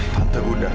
tante mohon sambut